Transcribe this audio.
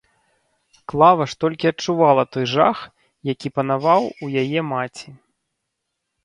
Клава ж толькі адчувала той жах, які панаваў у яе маці.